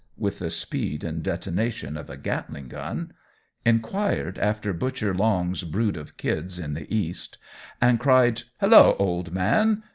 with the speed and detonation of a Gatling gun, inquired after Butcher Long's brood of kids in the East, and cried "Hello, old man!"